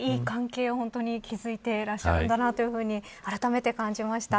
いい関係を築いていらっしゃるんだなとあらためて感じました。